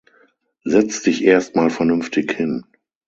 Setz dich erst mal vernünftig hin.